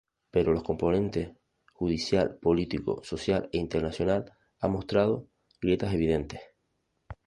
Pero los componentes judicial, político, social e internacional han mostrado grietas evidentes".